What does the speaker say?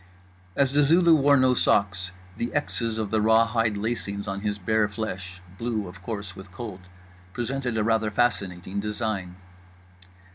As The Zulu wore no socks, the Xs of the rawhide lacings on his bare flesh (blue, of course, with cold) presented a rather fascinating design.